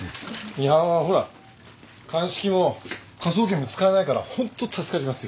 いやほら鑑識も科捜研も使えないからホント助かりますよ。